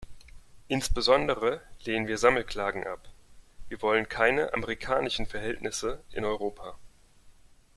Insbesondere lehnen wir Sammelklagen ab. Wir wollen keine amerikanischen Verhältnisse in Europa.